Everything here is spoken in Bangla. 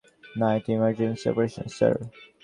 না, এটা ইমার্জেন্সি অপারেশন, স্যার।